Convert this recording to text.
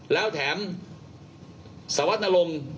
แล้วแถมสวรรค์ณลม